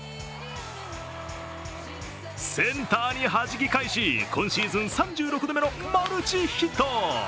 センターにはじき返し今シーズン３６度目のマルチヒット。